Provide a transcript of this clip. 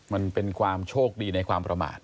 มันเป็นความโชคดีในความประมาท